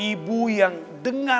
ibu yang dengar